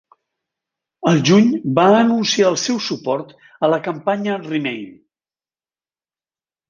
Al juny, va anunciar el seu suport a la campanya Remain.